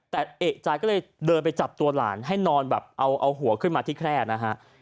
แต่เอกใจก็เลยเดินไปจับตัวหลานให้นอนแบบเอาหัวขึ้นมาที่แคร่นะฮะ